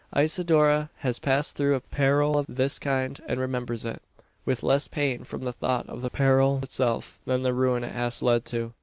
Isidora has passed through a peril of this kind, and remembers it with less pain from the thought of the peril itself, than the ruin it has led to.